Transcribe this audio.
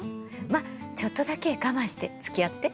まっちょっとだけ我慢してつきあって。